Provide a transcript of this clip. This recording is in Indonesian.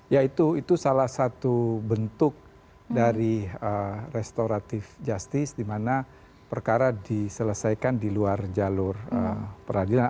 ya itu salah satu bentuk dari restoratif justice di mana perkara diselesaikan di luar jalur peradilan